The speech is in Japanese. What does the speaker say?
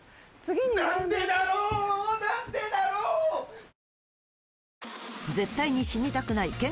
なんでだろうなんでだろううわ！！